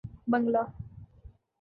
بنگلہ